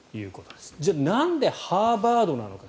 じゃあなんでハーバードなのか。